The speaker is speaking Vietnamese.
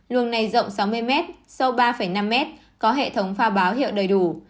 luồng này rộng sáu mươi m sâu ba năm m có hệ thống phao báo hiệu đầy đủ